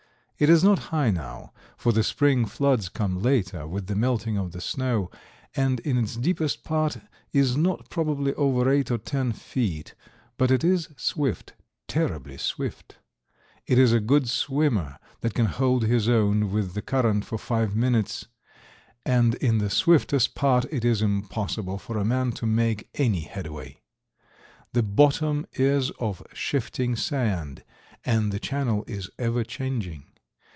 It is not high now, for the spring floods come later, with the melting of the snow, and in its deepest part is not probably over eight or ten feet, but it is swift—terribly swift. It is a good swimmer that can hold his own with the current for five minutes, and in the swiftest part it is impossible for a man to make any headway. The bottom is of shifting sand and the channel is ever changing.